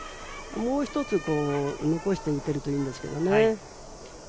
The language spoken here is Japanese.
もう一つこう残して打てるといいんですけどね。